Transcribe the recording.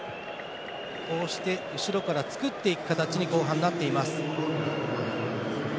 こうして後ろから作っていく形に後半、なっています。